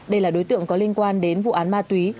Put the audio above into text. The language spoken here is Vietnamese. đây là đối tượng có liên quan đến vụ án ma túy